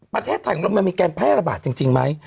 ประเทศไทยของเรามันมีการแพร่ระบาดจริงไหม